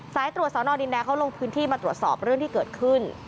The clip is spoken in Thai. สายตรวจสอนอดินแดงเขาลงพื้นที่มาตรวจสอบเรื่องที่เกิดขึ้น